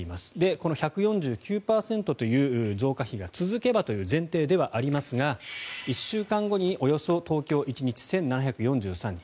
この１４９％という増加比が続けばという前提ではありますが１週間後におよそ東京、１日１７４３人。